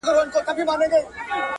لایق مې نه یې پاک الله درکړې یمه